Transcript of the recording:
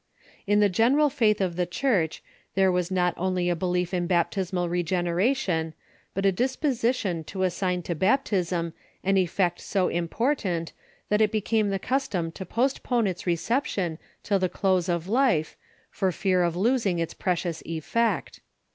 In the general faith of the Church there was not only a belief in baptismal regeneration, but a disposition to assign to baptism an effect so impoi'tant that it became the custom to postpone its reception till the close of life, for fear of losing its precious effect.